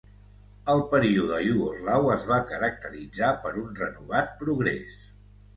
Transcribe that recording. El període iugoslau es va caracteritzar per un renovat progrés.